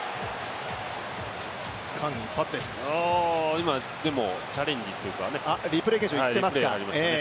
今、でもチャレンジというかリプレーですね。